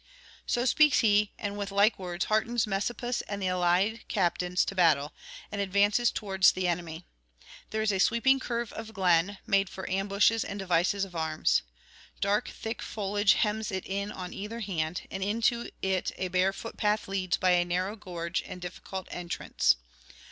So speaks he, and with like words heartens Messapus and the allied captains to battle, and advances towards the enemy. There is a sweeping curve of glen, made for ambushes and devices of arms. Dark thick foliage hems it in on either hand, and into it a bare footpath leads by a narrow gorge and difficult entrance.